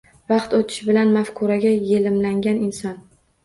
Vaqt o‘tishi bilan mafkuraga yelimlangan inson